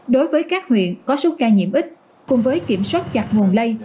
đối với các huyện có số ca nhiễm ít cùng với kiểm soát chặt nguồn lây